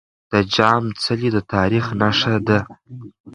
د جام څلی د تاريخ نښه ده.